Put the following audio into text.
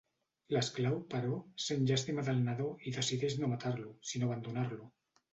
L'esclau, però, sent llàstima del nadó i decideix no matar-lo, sinó abandonar-lo.